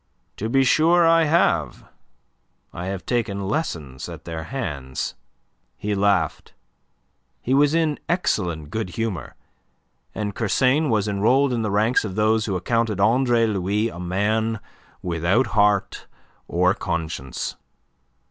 "To be sure I have. I have taken lessons at their hands." He laughed. He was in excellent good humour. And Kersain was enrolled in the ranks of those who accounted Andre Louis a man without heart or conscience.